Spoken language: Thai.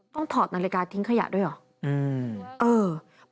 ต้องถอดนาฬิกาทิ้งขยะด้วยหรออืม